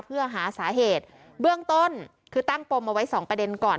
เพื่อหาสาเหตุเบื้องต้นคือตั้งปมเอาไว้สองประเด็นก่อน